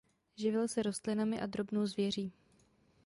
Živil se rostlinami a drobnou zvěří.